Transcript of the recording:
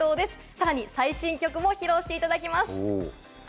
さらに最新曲も披露していただきます。